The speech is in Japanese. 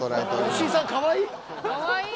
吉井さんかわいい。